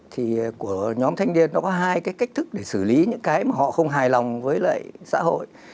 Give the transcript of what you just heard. thì của nhóm thanh niên nó có hai cái cách thức để xử lý những cái mà họ không hài lòng với lại xã hội